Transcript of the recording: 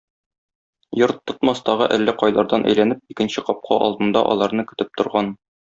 Йорт тотмас тагы әллә кайлардан әйләнеп, икенче капка алдында аларны көтеп торган.